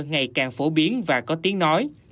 ngày càng phổ biến và có tiếng nói